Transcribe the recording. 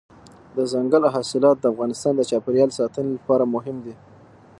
دځنګل حاصلات د افغانستان د چاپیریال ساتنې لپاره مهم دي.